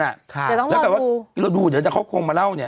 แล้วแบบว่าเราดูเดี๋ยวเขาคงมาเล่าเนี่ย